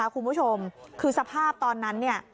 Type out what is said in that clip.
คุณผู้ชมคือสภาพตอนนั้น